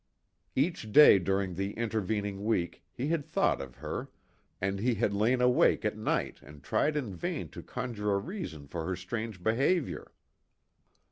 Each day during the intervening week he had thought of her, and he had lain awake at night and tried in vain to conjure a reason for her strange behaviour.